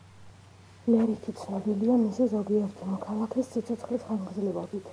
ლერიქი ცნობილია მისი ზოგიერთი მოქალაქის სიცოცხლის ხანგრძლივობით.